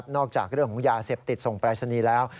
จากเรื่องของยาเสพติดส่งปรายศนีย์แล้ว